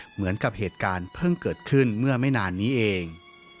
เหมือนกับเหตุการณ์เพิ่งเกิดขึ้นเมื่อไม่นานนี้เอง